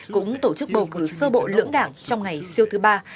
cũng tổ chức bầu cử sơ bộ lưỡng đảng trong ngày siêu thứ ba